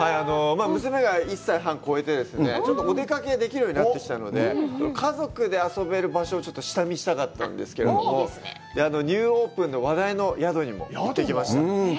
娘が１歳半超えて、ちょっとお出かけができるようになってきたので、家族で遊べる場所を下見したかったんですけど、ニューオープンの話題の宿にも行ってきました。